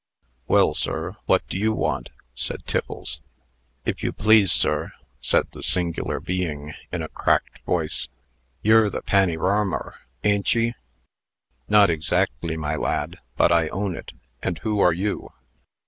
"Well, sir, what do you want?" said Tiffles. "If you please, sir," said the singular being, in a cracked voice, "yure the pannyrarmer, a'n't ye?" "Not exactly, my lad, but I own it. And who are you?"